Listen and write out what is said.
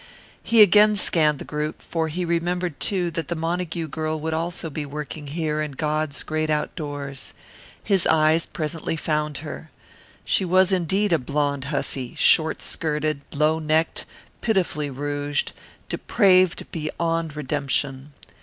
He again scanned the group, for he remembered, too, that the Montague girl would also be working here in God's Great Outdoors. His eyes presently found her. She was indeed a blonde hussy, short skirted, low necked, pitifully rouged, depraved beyond redemption.